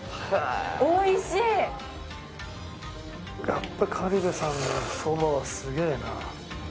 やっぱ苅部さんのそばはすげえな。